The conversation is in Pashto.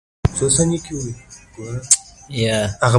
د افغانستان طبیعت له بادي انرژي څخه جوړ شوی دی.